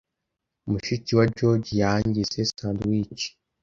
Mushiki wa George yangize sandwiches.